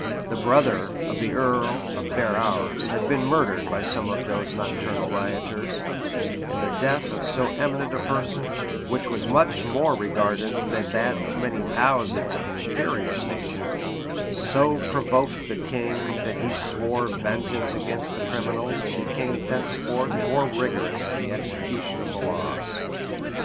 The brother of the earl of Ferrars had been murdered by some of those nocturnal rioters; and the death of so eminent a person, which was much more regarded than that of many thousands of an inferior station, so provoked the king, that he swore vengeance against the criminals, and became thenceforth more rigorous in the execution of the laws.